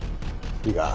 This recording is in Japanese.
いいか？